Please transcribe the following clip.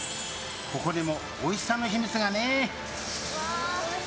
ここにもおいしさの秘密がね。